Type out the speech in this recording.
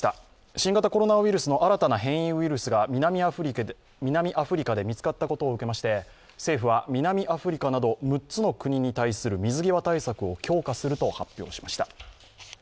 新型コロナウイルスの新たな変異ウイルスが南アフリカで見つかったことを受けまして政府は南アフリカなど６つの国に対する水際対策を強化すると発表しました。